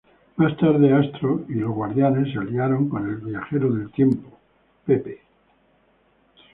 Más tarde, Astro y los Guardianes se aliaron con el viajero del tiempo Thor.